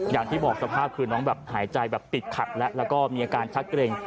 อย่างที่บอกสภาพคือน้องหายใจติดขัดและมีอาการชักเกรง